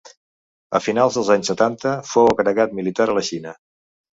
A finals dels anys setanta fou agregat militar a la Xina.